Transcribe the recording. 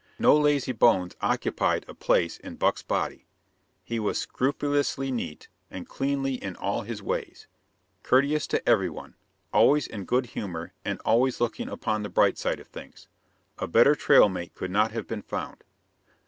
No lazy bones occupied a place in Buck's body. He was scrupulously neat and cleanly in all his ways; courteous to every one; always in good humor and always looking upon the bright side of things. A better trail mate could not have been found.